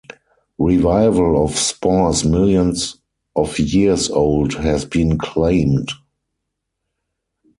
Revival of spores millions of years old has been claimed.